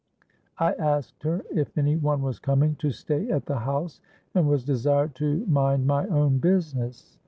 I asked her if any one was coming to stay at the house, and was desired to mind my own business.